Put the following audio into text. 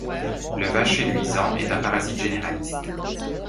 Le Vacher luisant est un parasite généraliste.